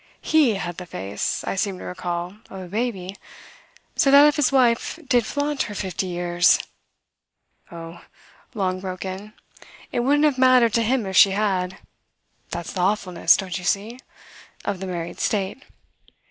He had the face, I seem to recall, of a baby; so that if his wife did flaunt her fifty years !" "Oh," Long broke in, "it wouldn't have mattered to him if she had. That's the awfulness, don't you see? of the married state.